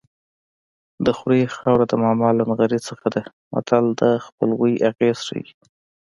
د خوریي خاوره د ماما له نغري څخه ده متل د خپلوۍ اغېز ښيي